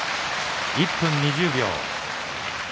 １分２０秒。